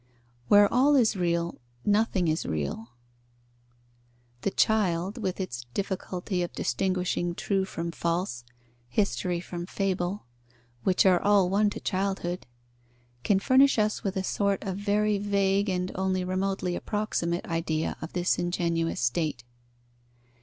Where all is real, nothing is real. The child, with its difficulty of distinguishing true from false, history from fable, which are all one to childhood, can furnish us with a sort of very vague and only remotely approximate idea of this ingenuous state.